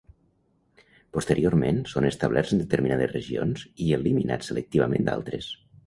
Posteriorment són establerts en determinades regions i eliminats selectivament d'altres.